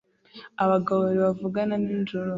Abagabo babiri bavugana nijoro